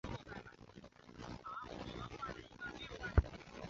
其他相关事项等规定